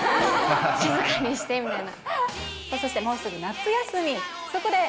静かにしてみたいな。